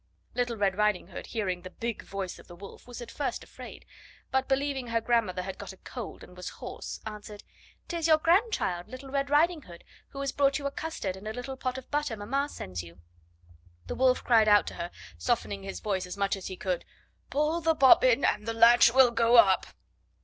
Little Red Riding Hood, hearing the big voice of the Wolf, was at first afraid; but believing her grandmother had got a cold and was hoarse, answered: "'Tis your grandchild, Little Red Riding Hood, who has brought you a custard and a little pot of butter mamma sends you." The Wolf cried out to her, softening his voice as much as he could: "Pull the bobbin, and the latch will go up."